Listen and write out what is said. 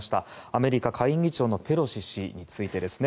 アメリカ下院議長のペロシ氏についてです。